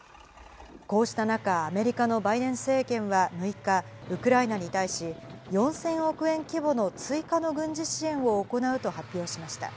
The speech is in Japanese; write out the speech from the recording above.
こうした中、アメリカのバイデン政権は６日ウクライナに対し、４０００億円規模の追加の軍事支援を行うと発表しました。